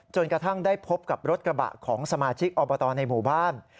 กระทั่งได้พบกับรถกระบะของสมาชิกอบตในหมู่บ้าน